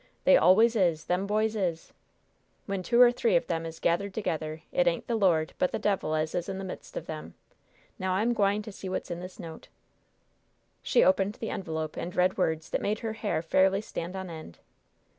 They always is! Them boys is! "When two or three of them is gathered together, it ain't the Lord, but the devil, as is in the midst of them. Now, I'm gwine to see what's in this note." She opened the envelope, and read words that made her hair fairly stand on end.